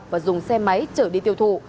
và dùng xe máy chở đi tiêu thụ